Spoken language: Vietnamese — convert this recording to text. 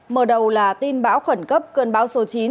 mở đầu là tin bão khẩn cấp cơn bão số chín